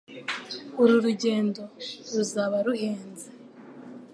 Uru rugendo ruzaba ruhenze.